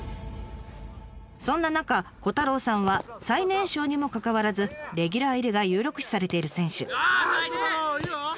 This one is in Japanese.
そんな中虎太郎さんは最年少にもかかわらずレギュラー入りが有力視されている選手。